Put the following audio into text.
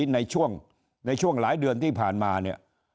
ในช่วงในช่วงหลายเดือนที่ผ่านมาเนี่ย